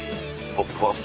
ポップＵＰ！